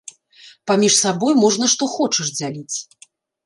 Паміж сабой можна што хочаш дзяліць.